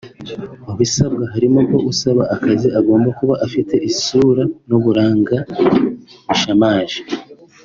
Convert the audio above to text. mu bisabwa harimo ko usaba akazi agomba kuba afite isura n’uburanga bishamaje